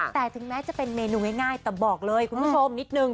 แต่ถึงแม้จะเป็นเมนูง่ายแต่บอกเลยคุณผู้ชมนิดนึง